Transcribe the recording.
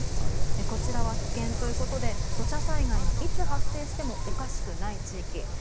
こちらは危険ということで土砂災害がいつ発生してもおかしくない地域。